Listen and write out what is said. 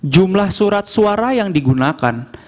jumlah surat suara yang digunakan